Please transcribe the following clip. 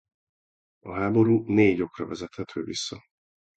A háború négy okra vezethető vissza.